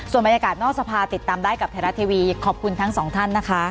ส่วนบรรยากาศนอกสภาติดตามได้กับไทยรัฐทีวีขอบคุณทั้งสองท่านนะคะ